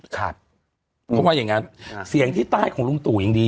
เขาว่าอย่างนั้นเสียงที่ใต้ของลุงตู่ยังดี